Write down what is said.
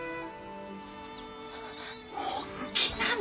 本気なの？